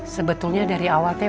sebetulnya dari awal teh